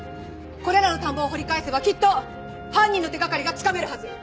これらの田んぼを掘り返せばきっと犯人の手掛かりがつかめるはず。